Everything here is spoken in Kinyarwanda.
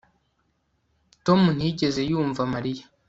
tom ntiyigeze yumva mariya